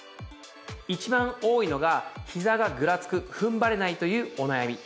一番多いのがひざがぐらつく踏ん張れないというお悩み。